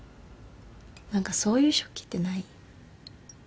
何かそういう食器ってない？